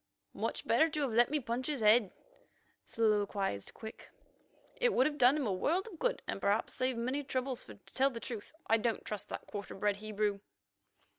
"Much better to have let me punch his head," soliloquized Quick. "It would have done him a world of good, and perhaps saved many troubles, for, to tell the truth, I don't trust that quarter bred Hebrew."